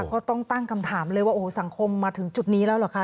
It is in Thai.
ก็ต้องตั้งคำถามเลยว่าโอ้โหสังคมมาถึงจุดนี้แล้วเหรอคะ